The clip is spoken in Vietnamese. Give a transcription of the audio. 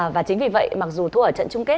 và chính vì vậy mặc dù thu ở trận chung kết